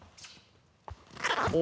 お。